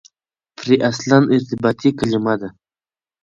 پرې اصلاً ارتباطي کلیمه ده.